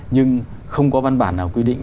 nhưng không có văn bản nào quy định